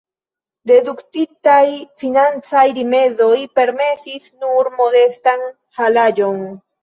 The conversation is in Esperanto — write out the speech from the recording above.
Reduktitaj financaj rimedoj permesis nur modestan halaĵon.